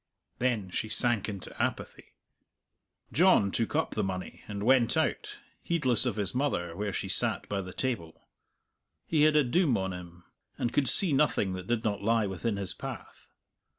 Then she sank into apathy. John took up the money and went out, heedless of his mother where she sat by the table; he had a doom on him, and could see nothing that did not lie within his path.